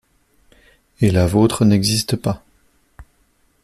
Et la vôtre n’existe pas.